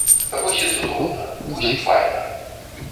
Вось і цудоўна, вось і файна!